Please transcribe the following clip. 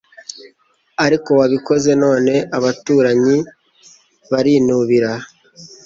ariko wabikoze none abaturanyi barinubira